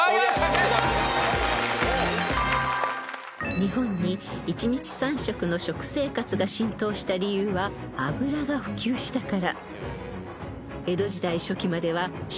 ［日本に１日３食の食生活が浸透した理由は油が普及したから］